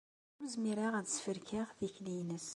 Ur zmireɣ ad sferkeɣ tikli-nnes.